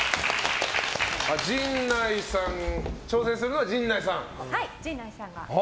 挑戦するのは陣内さん。